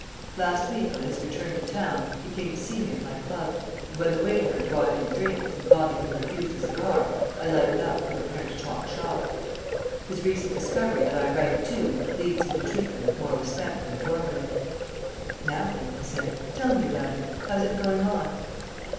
'" Last week, on his return to town, he came to see me at my club, and when the waiter had brought in drinks, and Bobby had refused a cigar, I lighted up and prepared to talk shop. His recent discovery that I write too leads him to treat me with more respect than formerly. "Now then," I said, "tell me about it. How's it going on?"